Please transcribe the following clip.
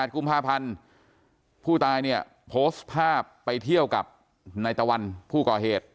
กุมภาพันธ์ผู้ตายเนี่ยโพสต์ภาพไปเที่ยวกับนายตะวันผู้ก่อเหตุ